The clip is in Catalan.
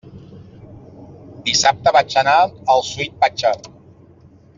Dissabte vaig anar al Sweet Pachá.